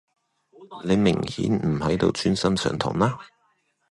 你明顯唔喺度專心上堂啦